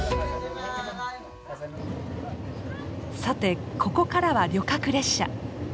さてここからは旅客列車。